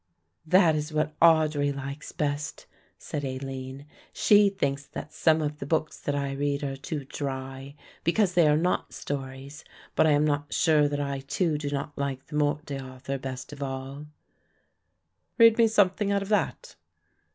"That is what Audry likes best," said Aline; "she thinks that some of the books that I read are too dry, because they are not stories, but I am not sure that I too do not like 'The Morte d'Arthur' best of all." "Read me something out of that."